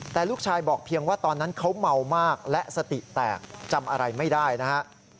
แต่ลูกชายบอกเพียงว่าตอนนั้นเขาเมามากและสติแตกจำอะไรไม่ได้นะฮะ